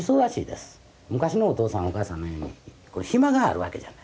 昔のお父さんお母さんのように暇があるわけじゃない。